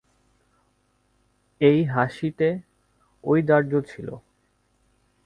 এই হাসিতে ঔদার্য ছিল।